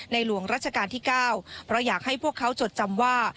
หลวงรัชกาลที่๙เพราะอยากให้พวกเขาจดจำว่า